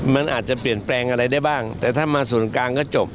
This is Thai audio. มันอาจจะเปลี่ยนแปลงอะไรได้บ้างแต่ถ้ามาส่วนกลางก็จบ